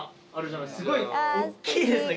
すごい大きいですね